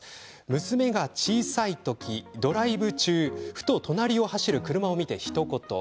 娘が小さい時ドライブ中ふと隣を走る車を見てひと言。